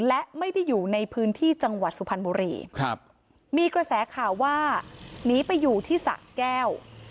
และไม่ได้อยู่ในพื้นที่จังหวัดสุพรรณบุรีครับมีกระแสข่าวว่าหนีไปอยู่ที่สะแก้ว